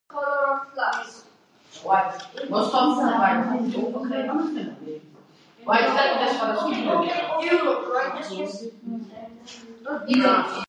ეს ცნობა სარწმუნოა.